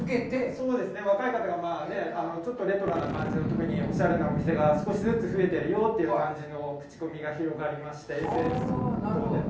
そうですね、若い方がちょっとレトロな感じのところにおしゃれなお店が少しずつ増えてるよという感じの口コミが広がりまして、ＳＮＳ等で。